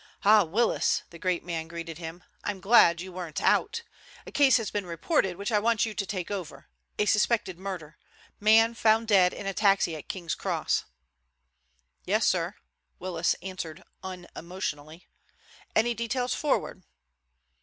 "Ah, Willis," the great man greeted him, "I'm glad you weren't out. A case has been reported which I want you to take over; a suspected murder; man found dead in a taxi at King's Cross." "Yes, sir," Willis answered unemotionally. "Any details forward?"